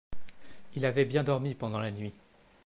il avait bien dormi pendant la nuit.